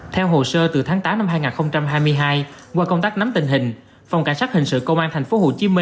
theo hồ sơ từ tháng tám năm hai nghìn hai mươi hai qua công tác nắm tình hình phòng cảnh sát hình sự công an tp hcm